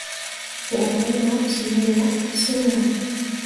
Zahnen ah ceeni mo urseŋ wo.